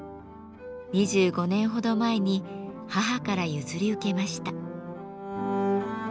２５年ほど前に母から譲り受けました。